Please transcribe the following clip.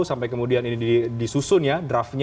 sampai kemudian ini disusun ya draftnya